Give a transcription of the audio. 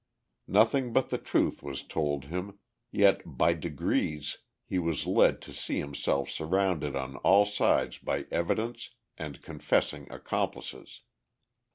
Nothing but the truth was told him, yet by degrees he was led to see himself surrounded on all sides by evidence and confessing accomplices.